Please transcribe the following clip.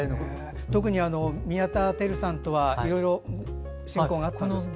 特に宮田輝さんとはいろいろ親交があったんですって。